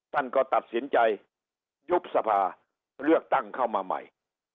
ท่านก็ตัดสินใจยุบสภาเลือกตั้งเข้ามาใหม่